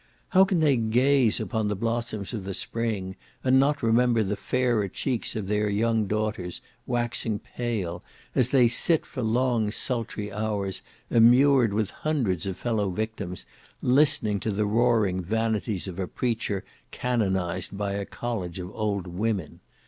How can they gaze upon the blossoms of the spring, and not remember the fairer cheeks of their young daughters, waxing pale, as they sit for long sultry hours, immured with hundreds of fellow victims, listening to the roaring vanities of a preacher canonized by a college of old women?